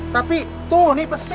tapi tuh ini pesi